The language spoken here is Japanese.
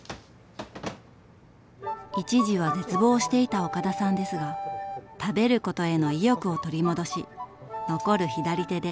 一時は絶望していた岡田さんですが食べることへの意欲を取り戻し残る左手で再び台所に立つようになったのです。